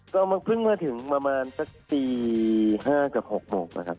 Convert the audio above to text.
ก็เพิ่งมาถึงประมาณสักตี๕กับ๖โมงนะครับ